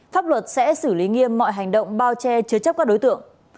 pháp luật sẽ xử lý nghiêm mọi hành động bao che chứa chấp các đối tượng